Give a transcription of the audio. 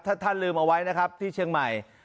ถ้าท่านลืมเอาไว้นะครับที่เชียงใหม่